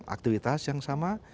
aktivitas yang sama